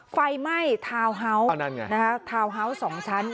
ไฟไหม้ทาวน์เฮาส์ทาวน์ฮาวส์๒ชั้น